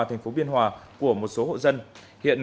thành phố biên hòa của một số hộ dân